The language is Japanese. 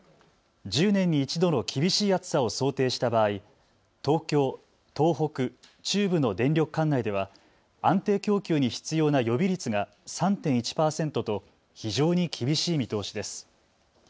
１０年に１度の厳しい暑さを想定した場合、東京、東北、中部の電力管内では安定供給に必要な予備率が３．１％と非常に厳しい見通しです。